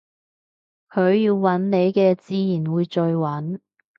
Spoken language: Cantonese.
佢要搵你嘅自然會再搵